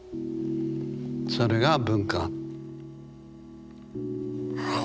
それが文化。